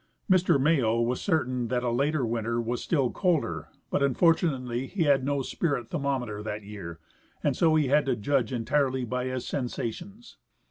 Mr Mayo Avas certain that a later Avinter was still colder, but unfortunately he had no spirit thermometer that year, and so he had to judge entirely by his sensations.